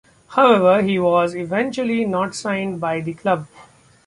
However, he was eventually not signed by the club.